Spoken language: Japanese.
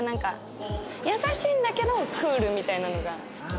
優しいんだけどクールみたいなのが好き。